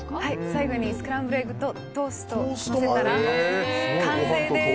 最後にスクランブルエッグとトーストをのせたら完成です。